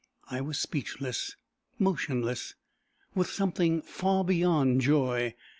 I was speechless, motionless, with something far beyond joy.